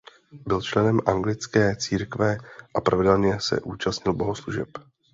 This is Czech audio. Byl členem anglikánské církve a pravidelně se účastnil bohoslužeb.